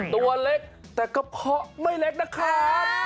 ตัวเล็กแต่กระเพาะไม่เล็กนะครับ